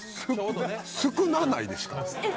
少なないですか。